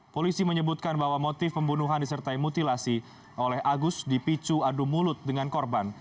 polisi menyebutkan bahwa motif pembunuhan disertai mutilasi oleh agus dipicu adu mulut dengan korban